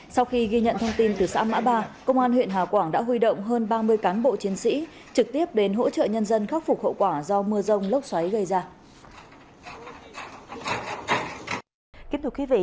sau khi ghi nhận thông tin từ xã mã ba công an huyện hà quảng đã huy động hơn ba mươi cán bộ chiến sĩ trực tiếp đến hỗ trợ nhân dân khắc phục hậu quả do mưa rông lốc xoáy gây ra